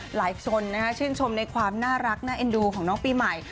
หลายคนชื่นชมในความน่ารักน่าเอ็นดูของน้องปีใหม่